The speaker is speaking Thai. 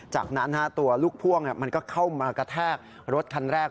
จากนั้นตัวลูกพ่วงมันก็เข้ามากระแทกรถคันแรก